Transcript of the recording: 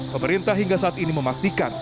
pemerintah hingga saat ini memastikan